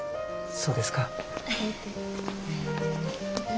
そうですか。